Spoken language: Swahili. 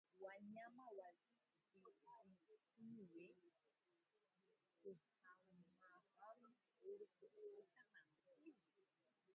Wanyama wadhibitiwe kuhamahama ili kuepuka maambukizi